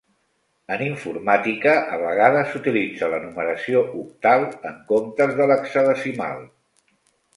En informàtica, a vegades s'utilitza la numeració octal en comptes de l'hexadecimal.